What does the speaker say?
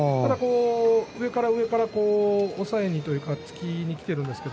上から上から押さえにというよりも突きにきているんですが